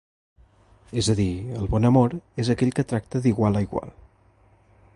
És a dir, el bon amor és aquell que tracta d’igual a igual.